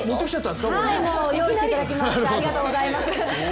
用意していただきました、ありがとうございます。